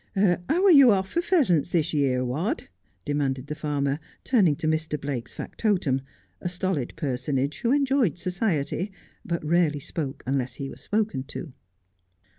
How are you off for pheasants this year, Wadd ?' demanded the farmer, turning to Mr. Blake's factotum, a stolid personage who enjoyed society, but rarely spoke unless he was spoken to.